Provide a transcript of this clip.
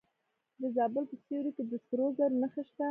د زابل په سیوري کې د سرو زرو نښې شته.